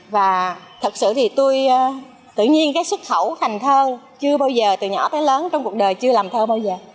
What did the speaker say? và thật sự thì tôi tự nhiên cái xuất khẩu thành thơ chưa bao giờ từ nhỏ tới lớn trong cuộc đời chưa làm thơ bao giờ